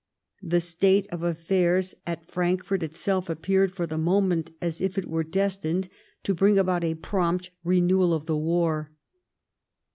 The state of affairs at Frankfort itself appeared, for the moment, as if it were destined to bring about a prompt renewal of the war.